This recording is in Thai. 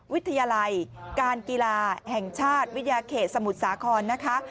วิทยาลัยการกีฬาแห่งชาติวิทยาเขตสมุทรสาครนะคะ